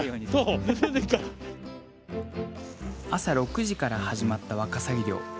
朝６時から始まったわかさぎ漁。